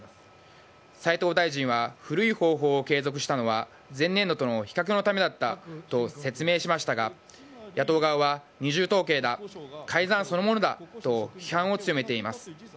斉藤大臣は古い方法を継続したのは前年度との比較のためだったと説明しましたが野党側は二重統計だ改ざんそのものだと批判を強めています。